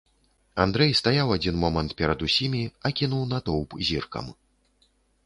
Андрэй стаяў адзін момант перад усімі, акінуў натоўп зіркам.